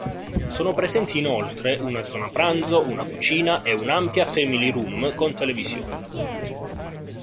Sono presenti, inoltre, una zona pranzo, una cucina e un'ampia family room con televisione.